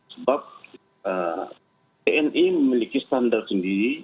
sebab tni memiliki standar sendiri